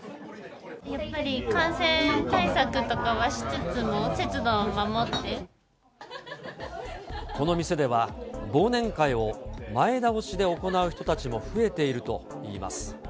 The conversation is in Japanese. やっぱり感染対策とかはしつつも、この店では、忘年会を前倒しで行う人たちも増えているといいます。